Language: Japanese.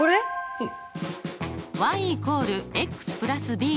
うん。